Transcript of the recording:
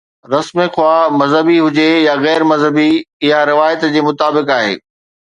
رسم، خواه مذهبي هجي يا غير مذهبي، اها روايت جي مطابق آهي.